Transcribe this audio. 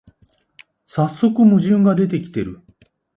さっそく矛盾が出てきてる